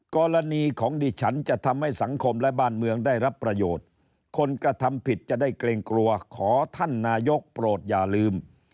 กรณีของดิฉันจะทำให้สังคมและบ้านเมืองได้รับประโยชน์คนกระทำผิดจะได้เกรงกลัวขอท่านนายกโปรดอย่าลืม